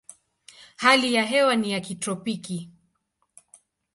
Hali ya hewa ni ya kitropiki.